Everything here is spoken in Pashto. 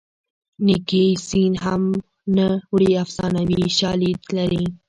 نیکي سین هم نه وړي افسانوي شالید لري